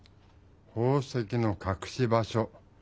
宝石のかくし場所。